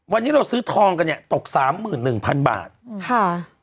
วันนี้เราซื้อทองกันเนี้ยตกสามหมื่นหนึ่งพันบาทอืมค่ะ